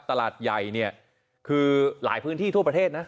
ตลาดใหญ่เนี่ยคือหลายพื้นที่ทั่วประเทศนะ